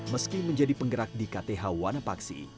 meski menjadi penggerak di kth wanapaksi